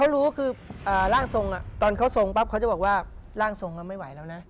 ล่างทรงตอนเค้าทรงก็ไม่ไหวแล้วนะ